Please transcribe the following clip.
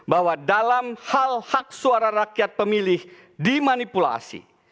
bahwa dalam hal hak suara rakyat pemilih dimanipulasi